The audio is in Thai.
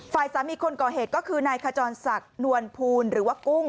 ฝ่ายสามีคนก่อเหตุก็คือนายขจรศักดิ์นวลภูนหรือว่ากุ้ง